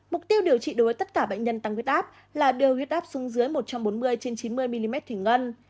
mục tiêu điều trị đối với tất cả bệnh nhân tăng nguyết áp là đưa nguyết áp xuống dưới một trăm bốn mươi chín mươi mm thủy ngân